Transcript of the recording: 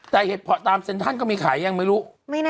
แต่เห็ดเพาะตามเซ็นทรัลก็มีขายยังไม่รู้